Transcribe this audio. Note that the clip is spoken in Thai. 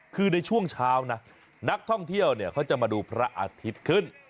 คือในช่วงเช้านะนักท่องเที่ยวเนี่ยเขาจะมาดูพระอาทิตย์ขึ้น